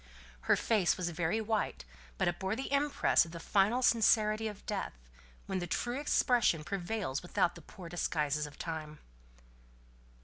Her face was very white, but it bore the impress of the final sincerity of death, when the true expression prevails without the poor disguises of time.